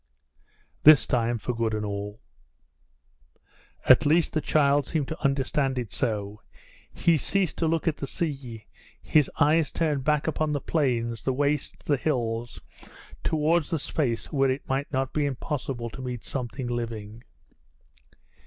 This time for good and all. At least the child seemed to understand it so: he ceased to look at the sea. His eyes turned back upon the plains, the wastes, the hills, towards the space where it might not be impossible to meet something living.